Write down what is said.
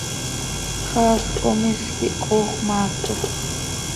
Xaasj com is quih coox maactoj.